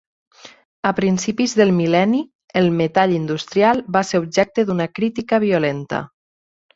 A principis del mil·lenni, el metall industrial va ser objecte d'una crítica violenta.